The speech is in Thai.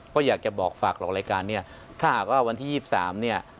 ก็อยากจะบอกฝากหลอกรายการเนี่ยถ้าหากว่าวันที่๒๓เนี่ย